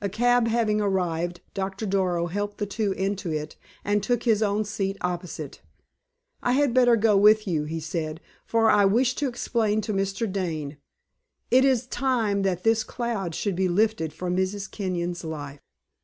A cab having arrived, Doctor Darrow helped the two into it, and took his own seat opposite. "I had better go with you," he said, "for I wish to explain to Mr. Dane. It is time that this cloud should be lifted from Mrs. Kenyon's life."